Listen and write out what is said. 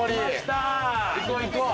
行こう行こう。